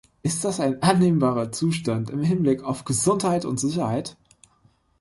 Ist das ein annehmbarer Zustand im Hinblick auf Gesundheit und Sicherheit?